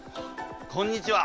こんにちは！